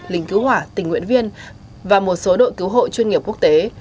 lính cứu hỏa tình nguyện viên và một số đội cứu hộ chuyên nghiệp quốc tế